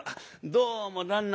「どうも旦那。